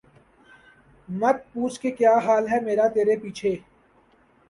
مت پوچھ کہ کیا حال ہے میرا ترے پیچھے